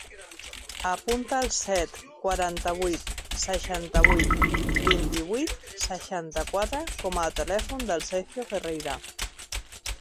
Apunta el set, quaranta-vuit, seixanta-vuit, vint-i-vuit, seixanta-quatre com a telèfon del Sergio Ferreira.